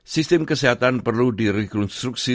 sistem kesehatan perlu direkonstruksi